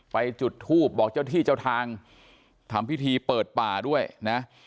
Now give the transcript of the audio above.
จุดทูบบอกเจ้าที่เจ้าทางทำพิธีเปิดป่าด้วยนะ